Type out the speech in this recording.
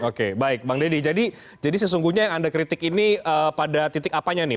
oke baik bang deddy jadi sesungguhnya yang anda kritik ini pada titik apanya nih